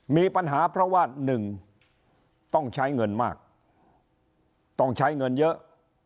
มีปัญหาเพราะว่าหนึ่งต้องใช้เงินมากต้องใช้เงินเยอะ